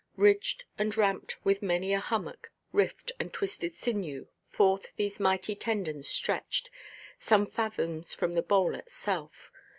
Ridged and ramped with many a hummock, rift, and twisted sinew, forth these mighty tendons stretched, some fathoms from the bole itself.